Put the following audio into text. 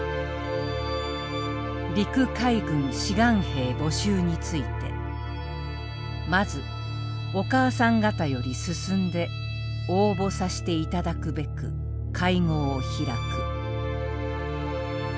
「陸海軍志願兵募集についてまずお母さん方より進んで応募さしていただくべく会合を開く」。